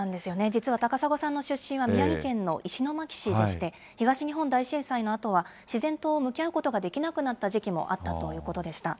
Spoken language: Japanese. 実は高砂さんの出身は宮城県の石巻市でして、東日本大震災のあとは自然と向き合うことができなくなった時期もあったということでした。